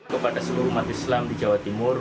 kepada seluruh umat islam di jawa timur